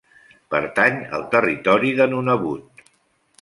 Pertany al territori de Nunavut.